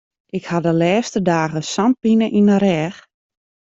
Ik ha de lêste dagen sa'n pine yn de rêch.